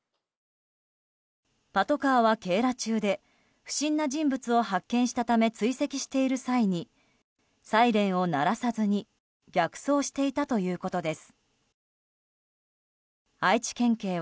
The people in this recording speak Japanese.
パトカーは警ら中で不審な人物を発見したため追跡している際にサイレンを鳴らさずに逆走していたということです。